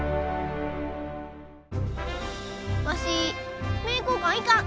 わし名教館行かん。